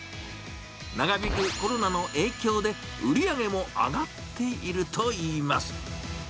長引くコロナの影響で、売り上げも上がっているといいます。